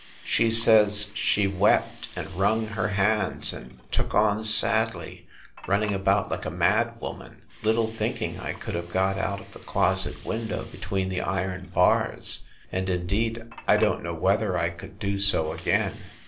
She says, she wept, and wrung her hands, and took on sadly, running about like a mad woman, little thinking I could have got out of the closet window, between the iron bars; and, indeed, I don't know whether I could do so again.